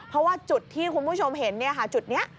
เพราะว่าจุดที่คุณผู้ชมเห็นจุดนี้